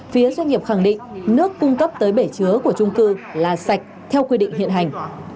phía doanh nghiệp khẳng định nước cung cấp tới bể chứa của trung cư là sạch theo quy định hiện hành